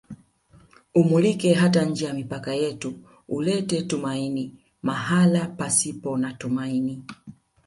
Umulike hata nje ya mipaka yetu ulete tumaini mahala pasipo na tumaini